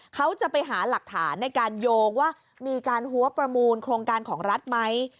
เขาจะไปหาหลักฐานในการโยงว่ามีการหัวประมูลโครงการของรัฐไหม